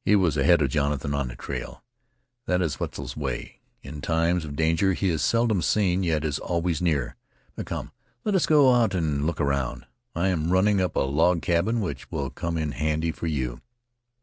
"He was ahead of Jonathan on the trail. That is Wetzel's way. In times of danger he is seldom seen, yet is always near. But come, let us go out and look around. I am running up a log cabin which will come in handy for you."